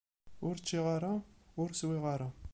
Ur ččiɣ ara, ur swiɣ ara.